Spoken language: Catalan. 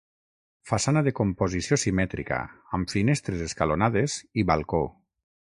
Façana de composició simètrica, amb finestres escalonades i balcó.